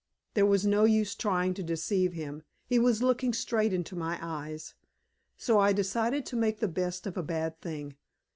There was no use trying to deceive him; he was looking straight into my eyes. So I decided to make the best of a bad thing.